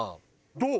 どう？